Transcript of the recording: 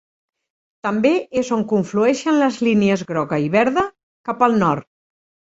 També és on conflueixen les línies groga i verda cap al nord.